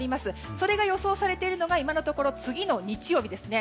それが予想されているのが今のところ次の日曜日ですね。